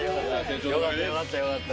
よかったよかった。